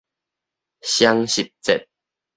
雙十節